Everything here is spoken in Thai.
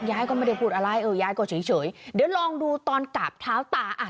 ยายก็ไม่ได้พูดอะไรเออยายก็เฉยเฉยเดี๋ยวลองดูตอนกราบเท้าตาอ่ะ